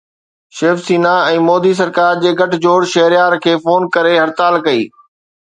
شيو سينا ۽ مودي سرڪار جي گٹھ جوڙ شهريار کي فون ڪري هڙتال ڪئي